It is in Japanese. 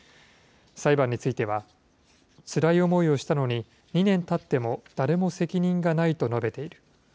裁判については、つらい思いをしたのに、２年たっても誰も責任がないと述べている。